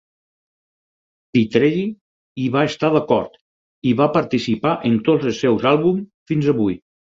Pitrelli hi va estar d'acord i va participar en tots els seus àlbum fins avui.